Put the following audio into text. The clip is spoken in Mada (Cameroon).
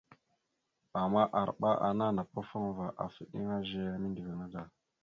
Ama arɓa ana napafaŋva afa eɗeŋa zeya mindəviŋa.